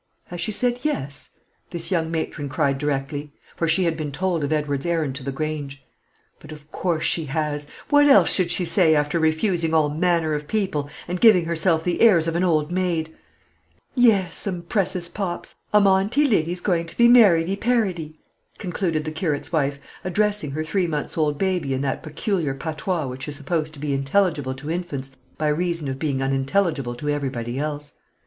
"Has she said 'yes'?" this young matron cried directly; for she had been told of Edward's errand to the Grange. "But of course she has. What else should she say, after refusing all manner of people, and giving herself the airs of an old maid? Yes, um pressus Pops, um Aunty Lindy's going to be marriedy pariedy," concluded the Curate's wife, addressing her three months old baby in that peculiar patois which is supposed to be intelligible to infants by reason of being unintelligible to everybody else.